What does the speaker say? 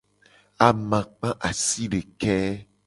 Amakpa asideke.